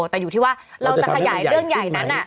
แต่อยู่ที่ว่าเราจะขยายเรื่องใหญ่นั้น